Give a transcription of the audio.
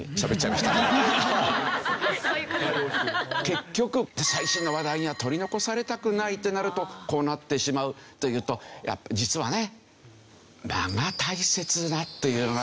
結局最新の話題には取り残されたくないってなるとこうなってしまうというと実はね間が大切だっていうのがわかって頂かないと。